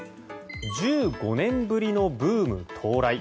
１５年ぶりのブーム到来。